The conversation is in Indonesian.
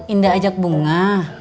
indah ajak bunga